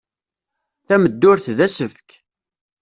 Tameddurt d asefk.